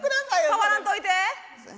触らんといて。